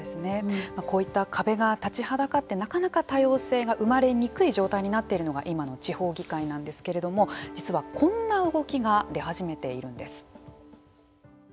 こういった壁が立ちはだかってなかなか多様性が生まれにくい状態になっているのが今の地方議会なんですけれども実はこんな動きが出始めているんです。